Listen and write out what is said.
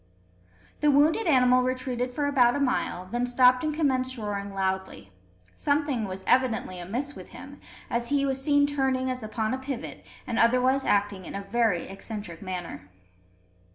The wounded animal retreated for about a mile, then stopped and commenced roaring loudly. Something was evidently amiss with him, as he was seen turning as upon a pivot, and otherwise acting in a very eccentric manner.